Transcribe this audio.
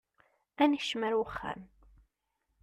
Ad nekcem ar wexxam.